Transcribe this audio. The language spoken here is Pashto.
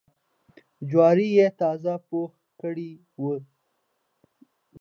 جواري یې تازه پوخ کړی و.